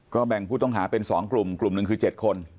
ก็แบ่งผู้ต้องหาเป็น๒กลุ่มกลุ่มหนึ่งคือ๗คน